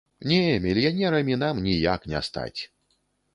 Не, мільянерамі нам ніяк не стаць!